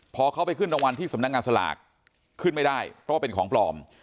พอเขาไปขึ้นรางวัลที่สำนักงานสลากขึ้นไม่ได้เพราะว่าเป็นของปลอม